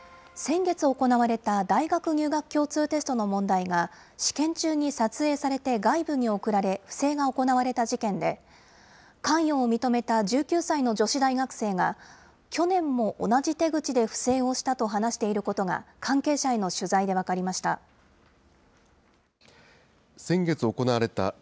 先月行われた大学入学共通テストの問題が、試験中に撮影されて外部に送られ、不正が行われた事件で、関与を認めた１９歳の女子大学生が、去年も同じ手口で不正をしたと話していることが、関係者への取材で分かりました。